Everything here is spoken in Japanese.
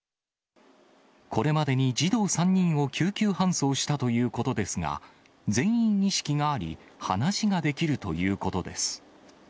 これまでに児童３人を救急搬送したということですが、全員意識があり、話ができるということです。